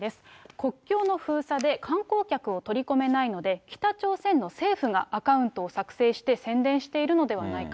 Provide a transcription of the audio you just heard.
国境の封鎖で観光客を取り込めないので、北朝鮮の政府がアカウントを作成して宣伝しているのではないか。